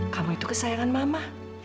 kamu itu kesayangan mama